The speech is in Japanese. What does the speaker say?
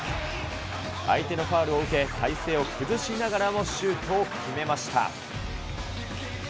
相手のファウルを受け、体勢を崩しながらもシュートを決めました。